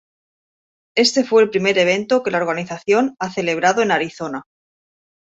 Este fue el primer evento que la organización ha celebrado en Arizona.